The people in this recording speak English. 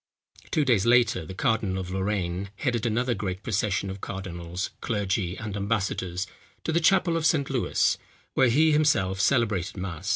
Two days later, the cardinal of Lorraine headed another great procession of cardinals, clergy, and ambassadors, to the chapel of St. Lewis, where he himself celebrated mass.